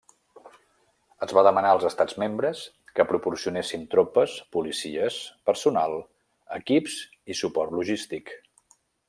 Es va demanar als Estats membres que proporcionessin tropes, policies, personal, equips i suport logístic.